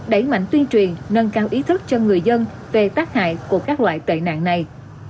đẩy mạnh tuyên truyền nâng cao ý thức cho người dân về tác hại của các loại tệ nạn này